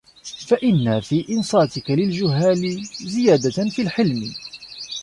فَإِنَّ فِي إنْصَاتِك لِلْجُهَّالِ زِيَادَةً فِي الْحِلْمِ